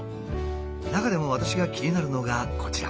中でも私が気になるのがこちら。